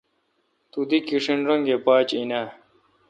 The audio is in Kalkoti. تو دی کیݭن رنگہ پاج این اؘ۔